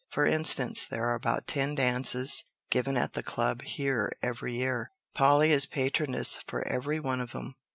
For instance, there are about ten dances given at the club here every year. Polly is patroness for every one of 'em.